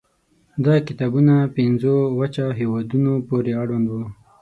دا کتابونه پنځو وچه هېوادونو پورې اړوند وو.